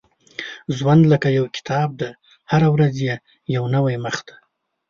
• ژوند لکه یو کتاب دی، هره ورځ یې یو نوی مخ دی.